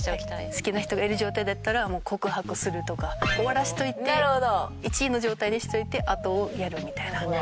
好きな人がいる状態だったら告白するとか終わらせといて１位の状態にしといてあとをやるみたいな感じなんですけど。